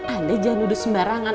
anda jangan nuduh sembarangan